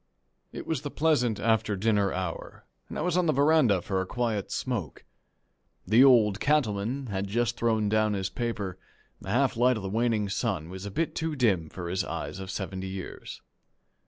It was the pleasant after dinner hour, and I was on the veranda for a quiet smoke. The Old Cattleman had just thrown down his paper; the half light of the waning sun was a bit too dim for his eyes of seventy years.